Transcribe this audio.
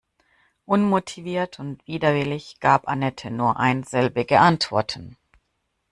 Unmotiviert und widerwillig gab Anette nur einsilbige Antworten.